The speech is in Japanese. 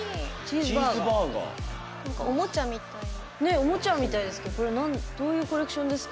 おもちゃみたいですけどこれどういうコレクションですか？